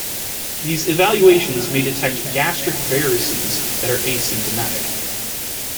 These evaluations may detect gastric varices that are asymptomatic.